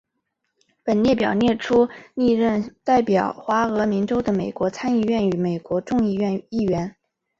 本列表列出历任代表怀俄明州的美国参议院与美国众议院议员。